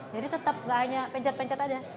jadi tetap nggak hanya pencet pencet aja